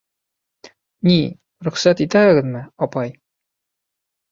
Ни, рөхсәт итәһегеҙме, апай?